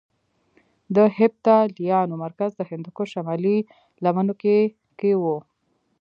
د هېپتاليانو مرکز د هندوکش شمالي لمنو کې کې وو